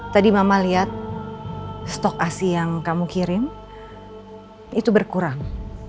tadi mama lihat stok asi yang kamu kirim itu berkurang